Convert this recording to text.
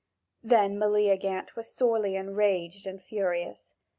Then Meleagant was sorely enraged and furious.